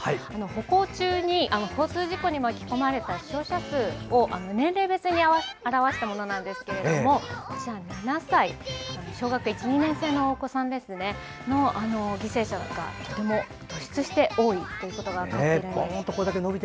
歩行中に交通事故に巻き込まれた死傷者数を年齢別に表したものですが７歳、小学１２年生のお子さんの犠牲者がとても突出して多いことが分かっているんです。